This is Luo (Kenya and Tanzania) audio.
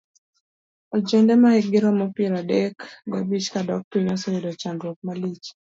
Ojende mahikgi romo piero adek gabich kadok piny oseyudo chandruok malich.